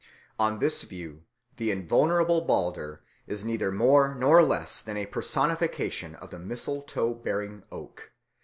On this view the invulnerable Balder is neither more nor less than a personification of a mistletoe bearing oak.